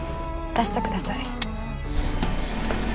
出してください。